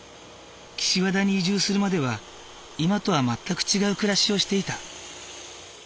岸和田に移住するまでは今とは全く違う暮らしをしていた。